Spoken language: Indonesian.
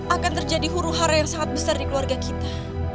akan terjadi huru hara yang sangat besar di keluarga kita